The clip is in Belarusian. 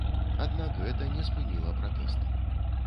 Аднак, гэта не спыніла пратэсты.